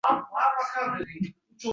Uning endi arig‘i boshqa, ishonaver.